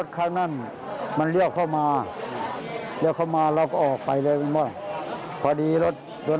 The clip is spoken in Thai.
ข้างนี้บำเอวจริงโยม